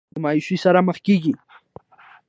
د مايوسۍ سره مخ کيږي